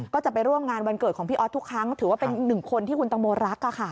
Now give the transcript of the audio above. ก็จะไปร่วมงานวันเกิดของพี่ออสทุกครั้งถือว่าเป็นหนึ่งคนที่คุณตังโมรัก